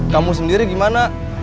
kamu sendiri gimana